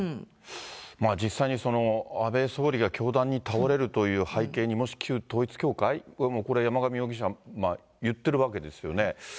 実際にその安倍総理が凶弾に倒れるという背景に、もし旧統一教会、これ、山上容疑者、言ってるわけですよね。